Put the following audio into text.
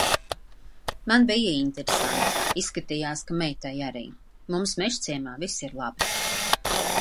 Man bija interesanti, izskatījās, ka meitai arī. Mums Mežciemā viss ir labi.